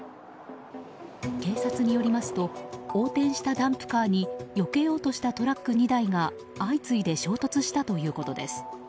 警察によりますと横転したダンプカーによけようとしたトラック２台が相次いで衝突したということです。